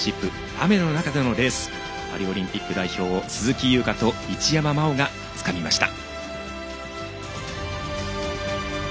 雨の中でのレースパリオリンピック代表を鈴木優花と一山麻緒がつかみました。